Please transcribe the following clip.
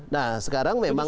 nah sekarang memang